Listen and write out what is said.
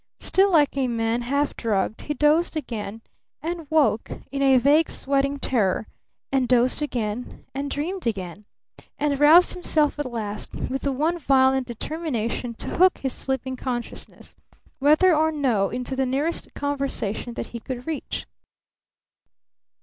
Still like a man half drugged he dozed again and woke in a vague, sweating terror and dozed again and dreamed again and roused himself at last with the one violent determination to hook his slipping consciousness, whether or no, into the nearest conversation that he could reach.